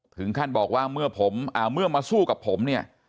ถึงขั้นบอกว่าเมื่อมาสู้กับผมเนี่ย